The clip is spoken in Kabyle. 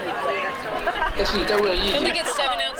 Ad tent-awiɣ yid-i.